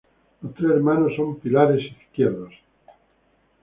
Los tres hermanos son pilares izquierdos.